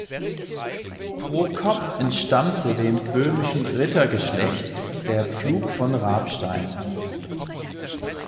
Prokop entstammte dem böhmischen Rittergeschlecht der Pflug von Rabstein.